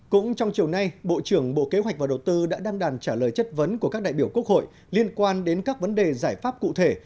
cũng trong chiều nay bộ trưởng bộ kế hoạch và đầu tư đã đăng đàn trả lời chất vấn của các đại biểu quốc hội liên quan đến các vấn đề giải pháp cụ thể